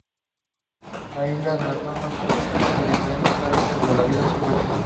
La isla es el hogar de una mezcla de diferentes hábitats de vida silvestre.